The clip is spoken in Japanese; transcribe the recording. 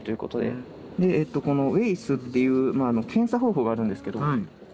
でえっとこの「ＷＡＩＳ」っていう検査方法があるんですけど。